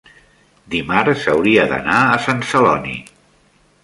dimarts hauria d'anar a Sant Celoni.